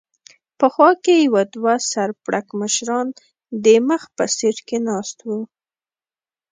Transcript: په خوا کې یې دوه سر پړکمشران د مخ په سېټ کې ناست و.